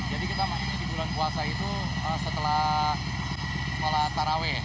jadi kita main di bulan puasa itu setelah sekolah taraweh